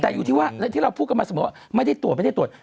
แต่อยู่ที่ว่าที่เราพูดกันมาสมมุติว่าไม่ได้ตรวจไม่ได้ตรวจ